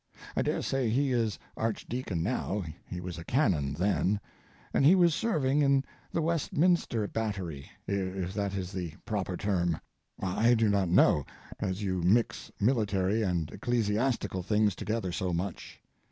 I dare say he is Archdeacon now—he was a canon then—and he was serving in the Westminster battery, if that is the proper term—I do not know, as you mix military and ecclesiastical things together so much.